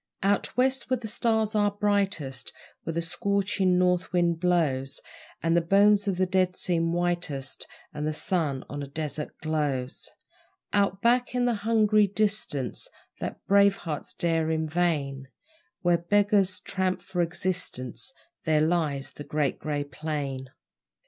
Out West, where the stars are brightest, Where the scorching north wind blows, And the bones of the dead seem whitest, And the sun on a desert glows Out back in the hungry distance That brave hearts dare in vain Where beggars tramp for existence There lies the Great Grey Plain.